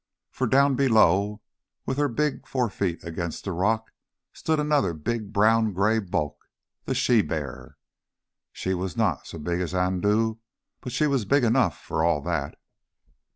For down below, with her big fore feet against the rock, stood another big brown grey bulk the she bear. She was not so big as Andoo, but she was big enough for all that.